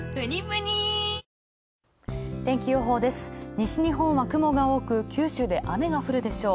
西日本は雲が多く九州で雨が降るでしょう。